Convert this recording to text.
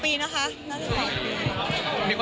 ๒ปีนะคะน่าจะเป็นเหมือน๒ปีค่ะ